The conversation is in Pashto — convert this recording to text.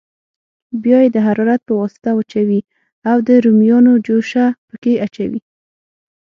بیا یې د حرارت په واسطه وچوي او د رومیانو جوشه پکې اچوي.